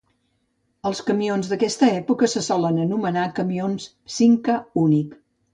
Els camions d'aquesta època se solen anomenar camions Simca Unic.